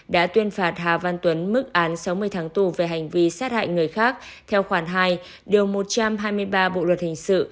đã tuyên phạt hà văn tuấn mức án sáu mươi tháng tù về hành vi sát hại người khác theo khoản hai điều một trăm hai mươi ba bộ luật hình sự